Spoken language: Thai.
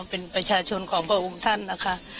เป็นประชาชนของพระองค์ท่านนะคะ